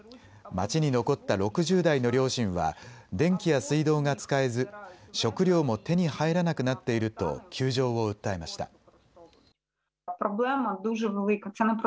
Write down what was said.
街に残った６０代の両親は電気や水道が使えず食料も手に入らなくなっていると窮状を訴えました。